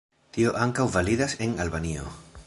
Tio ankaŭ validas en Albanio.